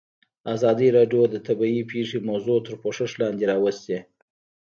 ازادي راډیو د طبیعي پېښې موضوع تر پوښښ لاندې راوستې.